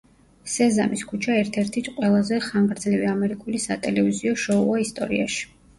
სეზამის ქუჩა ერთ-ერთი ყველაზე ხანგრძლივი ამერიკული სატელევიზიო შოუა ისტორიაში.